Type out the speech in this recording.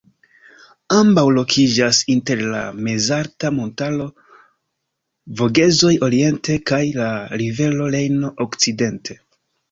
Ambaŭ lokiĝas inter la mezalta montaro Vogezoj oriente kaj la rivero Rejno okcidente.